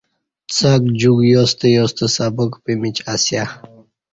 څݣ جیوک یاستہ یاستہ سبق پمیچ اسیہ